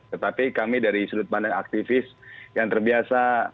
tetapi kami dari sudut pandang aktivis yang terbiasa